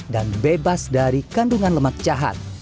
dan bebas dari kandungan lemak jahat